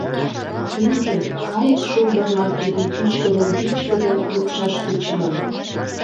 Тӱҥжӧ — кайык шулдырла кидым чӱчкыдын-чӱчкыдын лупшаш тӧчыман.